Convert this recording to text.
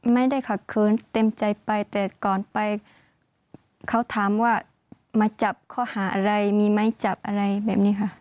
ไม่ได้ขัดคืนเต็มใจไปแต่ก่อนไปเขาถามว่ามาจับข้อหาอะไรมีไหมจับอะไรแบบนี้ค่ะ